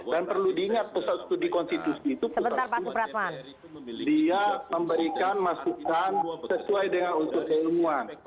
dan perlu diingat pesat studi konstitusi itu dia memberikan masukan sesuai dengan utut ilmuwan